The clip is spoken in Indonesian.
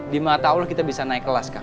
di mata allah kita bisa naik kelas kak